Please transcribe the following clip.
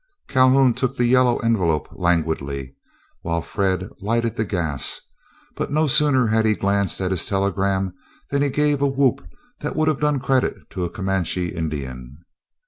Calhoun took the yellow envelope languidly, while Fred lighted the gas; but no sooner had he glanced at his telegram, than he gave a whoop that would have done credit to a Comanche Indian.